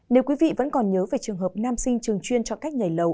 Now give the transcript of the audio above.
nếu quý vị vẫn còn nhớ về trường hợp nam sinh trường chuyên cho cách nhảy lầu